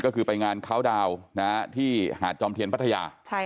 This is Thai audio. ก็คือไปงานเขาดาวน์ที่หาดจอมเทียนพัทยา